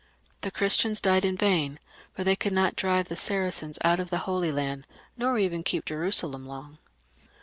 The Christians died in vain, for they could not drive the Saracens out of the Holy Land, nor even keep Jerusalem long.